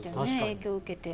影響受けて。